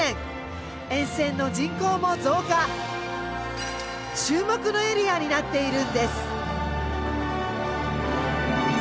沿線の人口も増加注目のエリアになっているんです。